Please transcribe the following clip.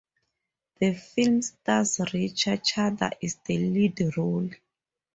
The film stars Richa Chadda in the lead role.